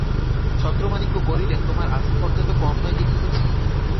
ছত্রমাণিক্য কহিলেন, তোমার আস্পর্ধা তো কম নয় দেখিতেছি।